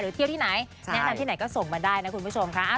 เที่ยวที่ไหนแนะนำที่ไหนก็ส่งมาได้นะคุณผู้ชมค่ะ